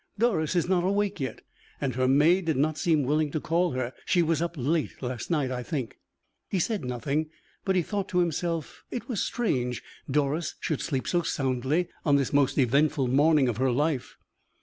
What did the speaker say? "Doris is not awake yet, and her maid did not seem willing to call her. She was up late last night, I think." He said nothing, but he thought to himself it was strange Doris should sleep so soundly on this most eventful morning of her life.